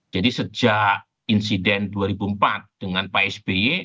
jadi sejak insiden dua ribu empat dengan pak sby